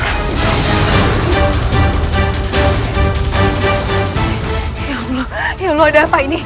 ya allah ya lu ada apa ini